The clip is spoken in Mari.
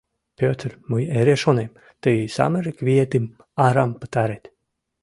— Пӧтыр, мый эре шонем: тый самырык виетым арам пытарет.